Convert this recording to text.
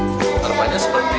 pertolongan pertama ini seperti